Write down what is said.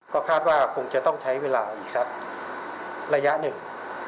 ก็คาดว่าคงจะต้องใช้เวลาอีกสักระยะหนึ่ง